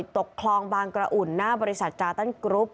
ตกคลองบางกระอุ่นหน้าบริษัทกาตันกรุ๊ป